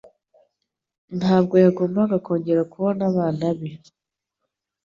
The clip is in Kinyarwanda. Ntabwo yagombaga kongera kubona abana be.